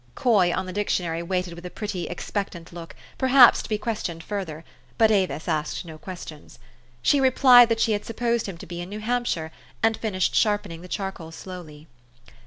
Coy, on the dictionary, waited with a pretty, expectant look, perhaps to be questioned further; but Avis asked no questions. She replied that she had supposed him to be in New Hampshire, and finished sharpening the charcoal slowty.